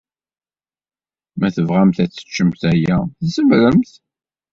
Ma tebɣamt ad teččemt aya, tzemremt.